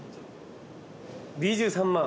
２３万！？